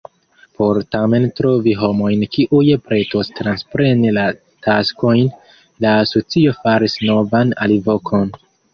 Por tamen trovi homojn kiuj pretos transpreni la taskojn, la asocio faris novan alvokon.